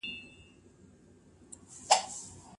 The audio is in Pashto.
ادم ع د خدای له رحمت څخه نا امیده نسو.